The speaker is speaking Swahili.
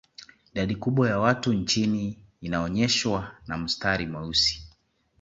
Idadi kubwa ya watu nchini inaonyeshwa na mstari mweusi